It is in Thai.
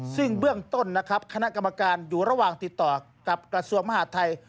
ซึ่งเบื้องต้นนะครับคณะกรรมการอยู่ระหว่างติดต่อกับกระทรวงมหาดไทย